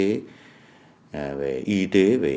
về y tế về hệ thống về hệ thống về hệ thống về hệ thống về hệ thống